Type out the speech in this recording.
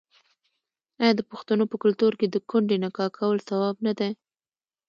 آیا د پښتنو په کلتور کې د کونډې نکاح کول ثواب نه دی؟